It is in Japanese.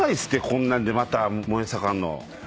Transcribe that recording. こんなんでまた燃え盛んの。